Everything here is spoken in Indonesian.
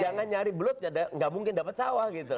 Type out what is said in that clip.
jangan nyari belut nggak mungkin dapat sawah gitu